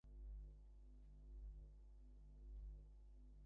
এবারে আমাদের ও বাড়ির বড়োবাবু ফেল।